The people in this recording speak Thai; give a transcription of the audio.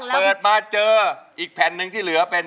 เปิดมาเจออีกแผ่นนึงที่เหลือ